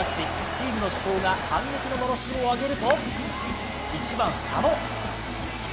チームの主砲が反撃ののろしを上げると、１番・佐野！